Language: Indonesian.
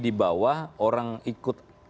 di bawah orang ikut